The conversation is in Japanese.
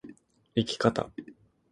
生き方